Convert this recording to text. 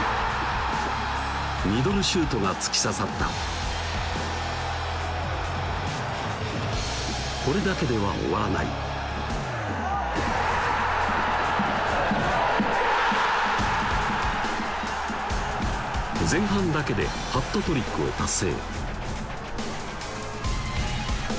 ミドルシュートが突き刺さったこれだけでは終わらない前半だけでハットトリックを達成